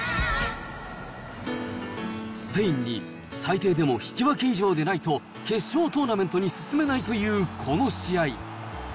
スペインに最低でも引き分け以上でないと、決勝トーナメントに進めないというこの試合。